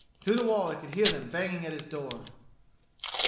Through the wall he could hear them banging at his door.